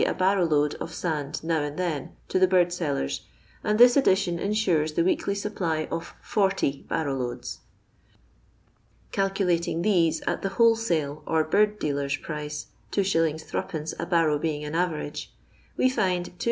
a boirrow load of sand now and then to the bird sellers, and this addition ensures the weekly sup ply of 40 barrow loads. Calculating these at the wholesale, or bird dealer's price — 2«. Bd. a barrow being an average — we find 284